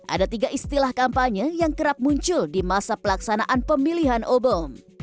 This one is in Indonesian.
ada tiga istilah kampanye yang kerap muncul di masa pelaksanaan pemilihan umum